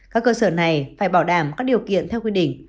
các cơ sở này phải bảo đảm các điều kiện theo quy định